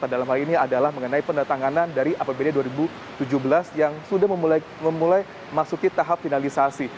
dalam hal ini adalah mengenai pendatanganan dari apbd dua ribu tujuh belas yang sudah memulai masuki tahap finalisasi